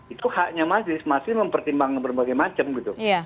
itu haknya majis majis mempertimbangkan berbagai macam gitu